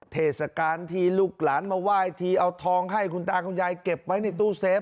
เทศกาลที่ลูกหลานมาไหว้ทีเอาทองให้คุณตาคุณยายเก็บไว้ในตู้เซฟ